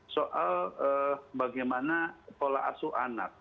soal bagaimana pola asu anak